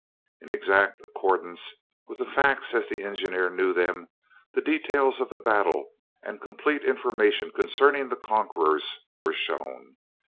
In exact accordance with the facts as the engineer knew them, the details of the battle and complete information concerning the conquerors were shown.